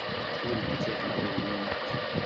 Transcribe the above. Ur d-kkateɣ deg-went.